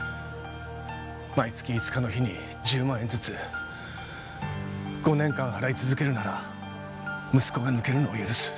毎月５日の日に１０万円ずつ５年間払い続けるなら息子が抜けるのを許す。